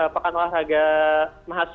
pekan olahraga mahasiswa